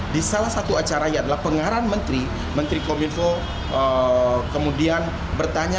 di salah satu acara yang adalah pengarahan menteri menteri komunikasi info kemudian bertanya